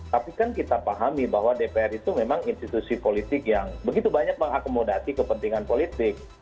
tapi kan kita pahami bahwa dpr itu memang institusi politik yang begitu banyak mengakomodasi kepentingan politik